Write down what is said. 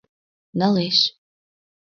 — Налеш...